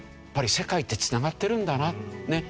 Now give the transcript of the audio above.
やっぱり世界ってつながっているんだな。